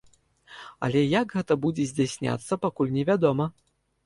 Але як гэта будзе здзяйсняцца, пакуль невядома.